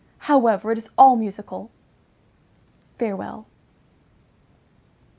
However, it is all musical! Farewell.